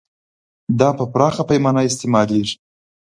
دا په پراخه پیمانه استعمالیږي.